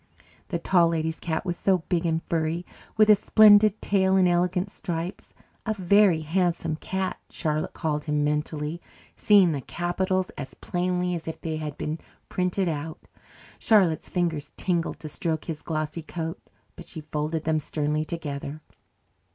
The Tall Lady's cat was so big and furry, with a splendid tail and elegant stripes. A Very Handsome Cat, Charlotte called him mentally, seeing the capitals as plainly as if they had been printed out. Charlotte's fingers tingled to stroke his glossy coat, but she folded them sternly together.